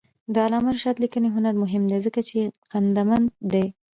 د علامه رشاد لیکنی هنر مهم دی ځکه چې غنامند دی.